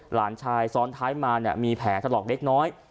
หลานชายซ้อนท้ายมาเนี่ยมีแผลถลอกเล็กน้อย